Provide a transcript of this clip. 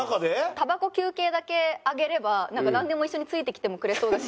タバコ休憩だけあげればなんでも一緒についてきてもくれそうだし。